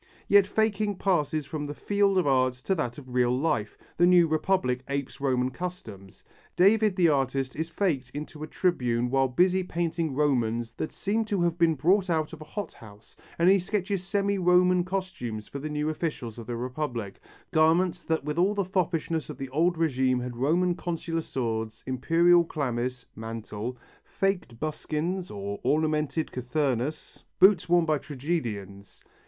Yet faking passes from the field of art to that of real life, the new Republic apes Roman customs. David the artist is faked into a Tribune while busy painting Romans that seem to have been brought out of a hot house and he sketches semi Roman costumes for the new officials of the Republic, garments that with all the foppishness of the "old regime" had Roman Consular swords, Imperial chlamys (mantle), faked buskins or ornamented cothurnus (boots worn by tragedians).